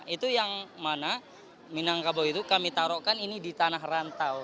itu yang mana minangkabau itu kami taruhkan ini di tanah rantau